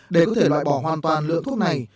để có thể loại bỏ hoàn toàn lượng thuốc này